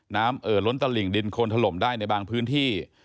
เอ่อล้นตลิ่งดินโคนถล่มได้ในบางพื้นที่